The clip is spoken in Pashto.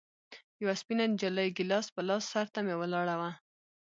يوه سپينه نجلۍ ګيلاس په لاس سر ته مې ولاړه وه.